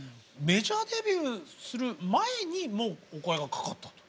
メジャーデビューする前にもうお声がかかったと。